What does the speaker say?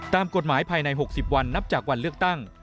ตามกฎหมายภายใน๖๐วันนับจากวันเลือกตั้ง